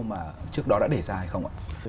mà trước đó đã để ra hay không ạ